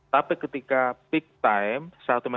tapi ketika peak time